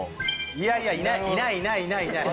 いやいやいないいないいない。